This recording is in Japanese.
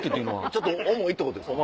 ちょっと重いってことですか？